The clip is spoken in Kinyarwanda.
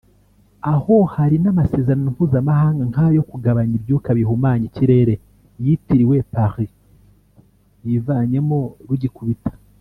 aho hari n’amasezerano mpuzamahanga nk’ayo kugabanya ibyuka bihumanya ikirere yitiriwe Paris yivanyemo rugikubita